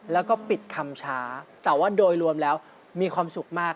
แล้วก็ปิดคำช้าแต่ว่าโดยรวมแล้วมีความสุขมาก